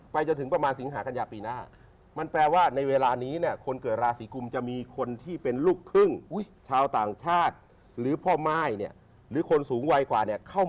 ไปจนถึงประมาณสิงหากันยาปีหน้า